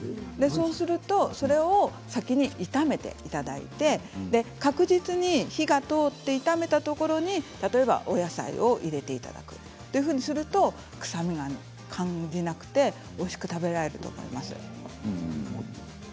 そうするとそれを先に炒めていただいて着実に火が通って炒めたところに例えばお野菜を入れていただくというふうにすると完全に臭みを感じなくておいしく食べられると思います。